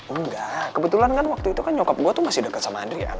enggak kebetulan kan waktu itu nyokap gue masih deket sama adriana